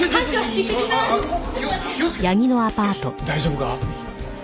大丈夫か？